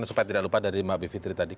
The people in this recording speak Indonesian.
supaya tidak lupa dari mbak bivitri tadi